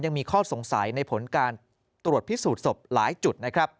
ยังมีข้อสงสัยในผลการตรวจพิสูจน์ศพหลายจุดนะครับ